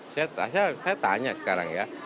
saya tanya sekarang ya